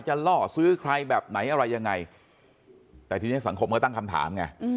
ล่อซื้อใครแบบไหนอะไรยังไงแต่ทีนี้สังคมก็ตั้งคำถามไง